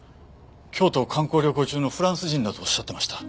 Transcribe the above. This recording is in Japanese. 京都を観光旅行中のフランス人だと仰ってました。